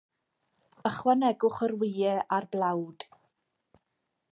Ychwanegwch yr wyau a'r blawd.